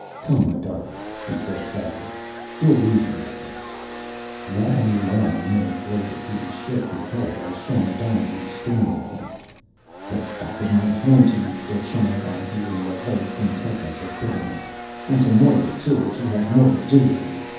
"Come, my darlin'," he said sadly. "We'll reason with him." Long, long minutes later he shook his head as Sean O'Donohue stormed at him. "The back o' my hand to you!" said Sean O'Donohue in the very quintessence of bitterness. "And to Moira, too, if she has more to do with you!